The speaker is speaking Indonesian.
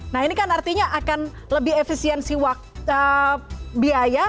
nah ini kan artinya akan lebih efisiensi biaya